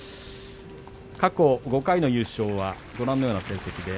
過去５回の優勝はご覧のような成績です。